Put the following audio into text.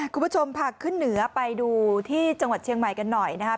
คุณผู้ชมพาขึ้นเหนือไปดูที่จังหวัดเชียงใหม่กันหน่อยนะครับ